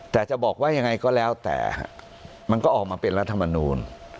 แต่จะบอกว่ายังไงก็แล้วแต่มันก็ออกมาเป็นรัฐมนูล